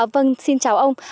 vâng xin chào ông